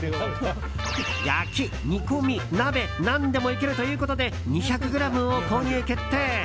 焼き、煮込み、鍋何でもいけるということで２００ｇを購入決定。